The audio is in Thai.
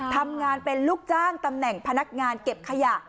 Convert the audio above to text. ทำงานเป็นลูกจ้างตำแหน่งพนักงานเก็บขยะ